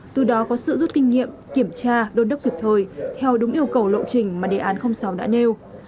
từ đó có sự rút kinh nghiệm kiểm tra đôn đốc kịp thời theo đúng yêu cầu lộ trình mà đề án sáu đã nêu